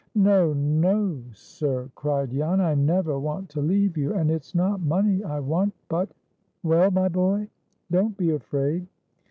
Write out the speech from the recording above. "No, no, sir!" cried Jan. "I never want to leave you; and it's not money I want, but"— "Well, my boy? Don't be afraid."